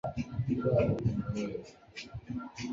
尖叶假龙胆为龙胆科假龙胆属下的一个种。